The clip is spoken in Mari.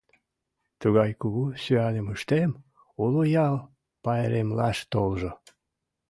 Тугай кугу сӱаным ыштем, уло ял пайремлаш толжо!